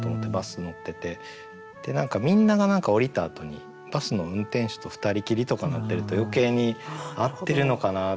でみんなが降りたあとにバスの運転手と２人きりとかなってると余計に「合ってるのかな？」っていう。